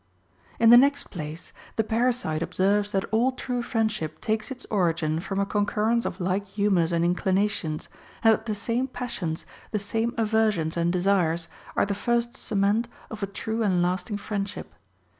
In the next place, the parasite observes that all true friendship takes its origin from a concurrence of like hu mors and inclinations, and that the same passions, the same aversions and desires, are the first cement of a true and lasting friendship.